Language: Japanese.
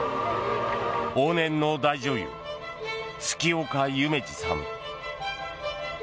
往年の大女優、月丘夢路さん。